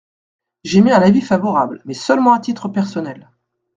J’émets un avis favorable, mais seulement à titre personnel.